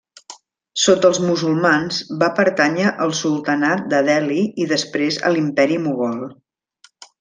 Sota els musulmans va pertànyer al sultanat de Delhi i després a l'Imperi Mogol.